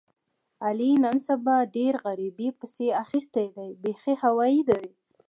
علي نن سبا ډېر غریبۍ پسې اخیستی دی بیخي هوایي دی.